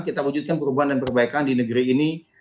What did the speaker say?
kita wujudkan perubahan dan perbaikan di negeri ini